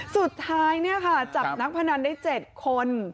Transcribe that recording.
สุดท้ายจับนักพนันได้๗คน